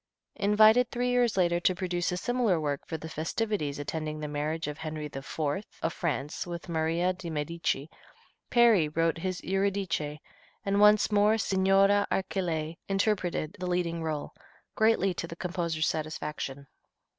Invited three years later to produce a similar work for the festivities attending the marriage of Henry IV. of France with Maria di Medici, Peri wrote his "Eurydice," and once more Signora Archilei interpreted the leading rôle, greatly to the composer's satisfaction.